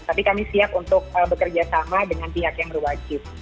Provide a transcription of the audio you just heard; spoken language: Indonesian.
tapi kami siap untuk bekerja sama dengan pihak yang berwajib